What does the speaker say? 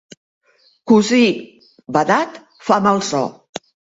Cossi badat fa mal so.